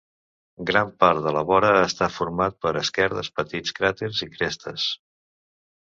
Gran part de la vora està format per esquerdes, petits cràters i crestes.